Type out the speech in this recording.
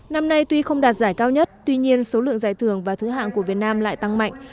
năm nay tuy không đạt giải cao nhất tuy nhiên số lượng giải thưởng và thứ hạng của việt nam lại tăng mạnh